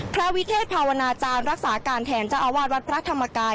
พระวิเทศภาวนาจารย์รักษาการแทนเจ้าอาวาสวัดพระธรรมกาย